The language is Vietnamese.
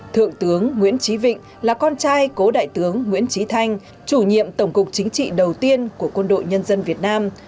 thượng tướng nguyễn trí vịnh là con trai của đại tướng nguyễn trí thanh chủ nhiệm tổng cục chính trị đầu tiên của quân đội nhân dân việt nam